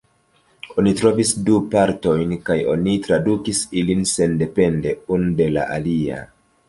Oni trovis du partojn kaj oni tradukis ilin sendepende unu de la alia.